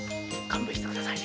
勘弁して下さい。